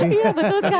iya betul sekali